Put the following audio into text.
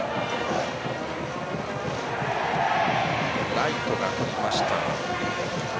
ライトがとりました。